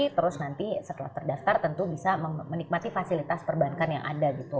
terus nanti setelah terdaftar tentu bisa menikmati fasilitas perbankan yang ada gitu